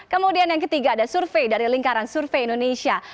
kemudian yang ketiga ada survei dari lingkaran survei indonesia